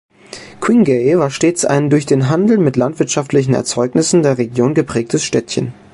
Quingey war stets ein durch den Handel mit landwirtschaftlichen Erzeugnissen der Region geprägtes Städtchen.